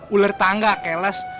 ulur tangga kelas